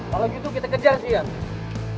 kalau gitu kita kejar deyan